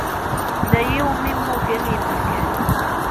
D aya iwmi mmugen yimdukal.